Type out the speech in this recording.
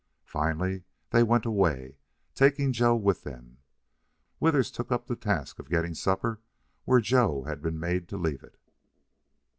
Finally they went away, taking Joe with them. Withers took up the task of getting supper where Joe had been made to leave it.